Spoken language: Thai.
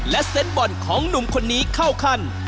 และเซตบอลของหนุ่มคนนี้เข้าขั้น